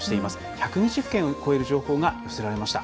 １２０件を超える情報が寄せられました。